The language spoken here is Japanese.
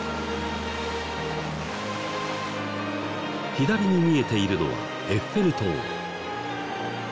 左に見えているのはエッフェル塔。